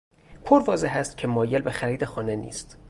پرواضح است که مایل به خرید خانه نیست.